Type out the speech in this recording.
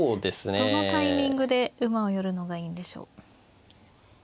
どのタイミングで馬を寄るのがいいんでしょう。